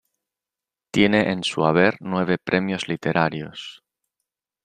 Tiene en su haber nueve premios literarios.